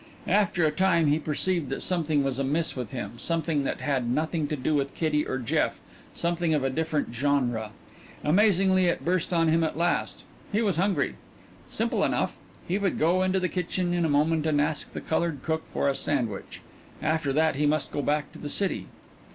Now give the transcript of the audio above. After a while he perceived that something was amiss with him, something that had nothing to do with Kitty or Jeff, something of a different genre. Amazingly it burst on him at last; he was hungry. Simple enough! He would go into the kitchen in a moment and ask the colored cook for a sandwich. After that he must go back to the city.